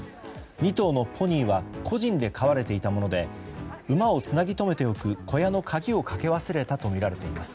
２頭のポニーは個人で飼われていたもので馬をつなぎ留めておく小屋の鍵をかけ忘れたとみられています。